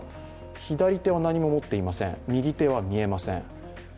左手は何も持っていません、右手は見えません。